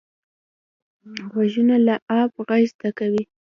غوږونه له ادب غږ زده کوي